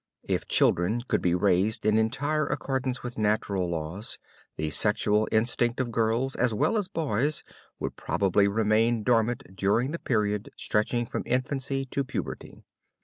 If children could be raised in entire accordance with natural laws, the sexual instinct of girls as well as boys would probably remain dormant during the period stretching from infancy to puberty.